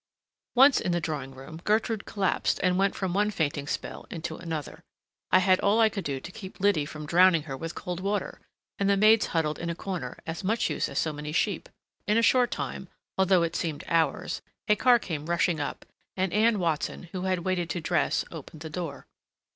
Once in the drawing room, Gertrude collapsed and went from one fainting spell into another. I had all I could do to keep Liddy from drowning her with cold water, and the maids huddled in a corner, as much use as so many sheep. In a short time, although it seemed hours, a car came rushing up, and Anne Watson, who had waited to dress, opened the door.